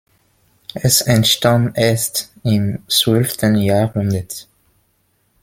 Es entstand erst im zwölften Jahrhundert.